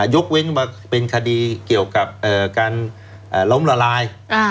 ยกเว้นมาเป็นคดีเกี่ยวกับการล้มละลาย